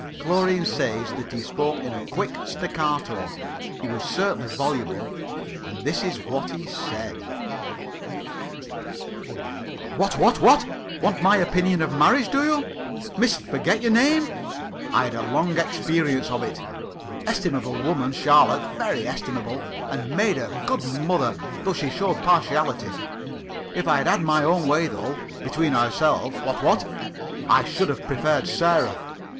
Chlorine says that he spoke in a quick staccato. He was certainly voluble, and this is what he said: "What, what, what? Want my opinion of marriage, do you, Miss Forget your name? I had a long experience of it. Estimable woman, Charlotte, very estimable, and made a good mother, though she showed partiality. If I'd had my own way though between ourselves, what, what? I should have preferred Sarah.